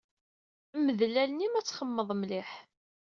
Mdel allen-im ad txemmmeḍ mliḥ.